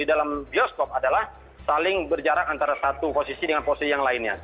di dalam bioskop adalah saling berjarak antara satu posisi dengan posisi yang lainnya